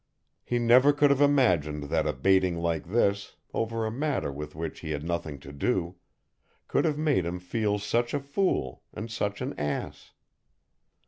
He never could have imagined that a baiting like this, over a matter with which he had nothing to do, could have made him feel such a fool, and such an ass.